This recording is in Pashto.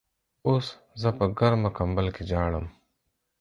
اوس زه په ګرمه کمبل کې ژاړم.